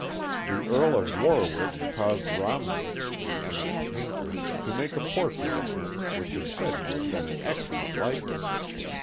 The Earl of Warwick caused Romney, the eminent painter, to make a portrait of him which is said to have been an excel lent likeness.